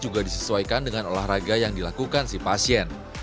juga disesuaikan dengan olahraga yang dilakukan si pasien